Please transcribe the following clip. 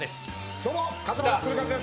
どうも勝俣州和です。